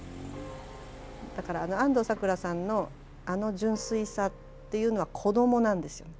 だから安藤サクラさんのあの純粋さというのは子どもなんですよね。